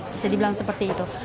bisa dibilang seperti itu